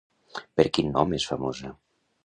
Per quin nom és famosa?